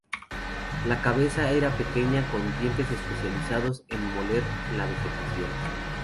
La cabeza era pequeña con dientes especializados en moler la vegetación.